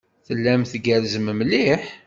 Tellam tgerrzem mliḥ.